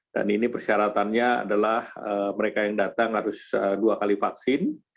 ini persyaratannya adalah mereka yang datang harus dua kali vaksin